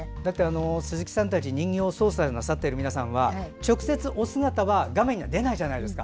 鈴木さんたち人形を操作なさっている方たちは直接、お姿は画面には出ないじゃないですか。